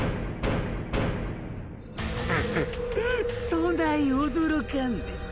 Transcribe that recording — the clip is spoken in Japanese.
ププそない驚かんでも。